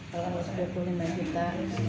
kalau harus dua puluh lima juta